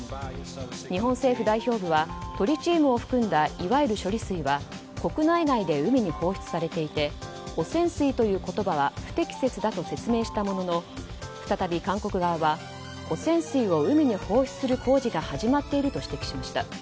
日本政府代表部はトリチウムを含んだいわゆる処理水は国内外で海に放出されていて汚染水という言葉は不適切だと説明したものの、再び韓国側は汚染水を海に放出する工事が始まっていると指摘しました。